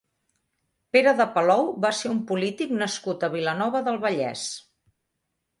Pere de Palou va ser un polític nascut a Vilanova del Vallès.